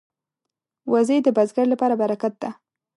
وزې د بزګر لپاره برکت ده